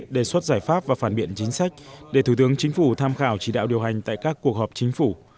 đề xuất giải pháp và phản biện chính sách để thủ tướng chính phủ tham khảo chỉ đạo điều hành tại các cuộc họp chính phủ